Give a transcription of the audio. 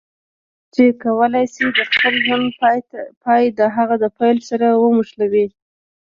چې کولای شي د خپل ژوند پای د هغه د پیل سره وموښلوي.